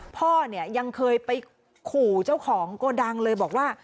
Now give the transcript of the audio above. พ่อเนี่ยยังเคยไปขู่เจ้าของโกดังเลยบอกว่า